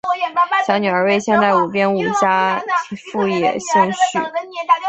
小女儿为现代舞编舞家富野幸绪。